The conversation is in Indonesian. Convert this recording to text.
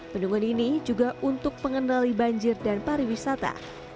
bendungan ini juga untuk pengendali banjir dan pariwisata